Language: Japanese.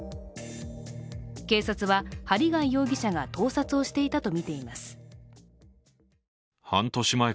警察は、針谷容疑者が盗撮をしていたとみています。